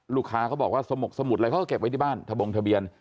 เขาบอกว่าสมกสมุดอะไรเขาก็เก็บไว้ที่บ้านทะบงทะเบียน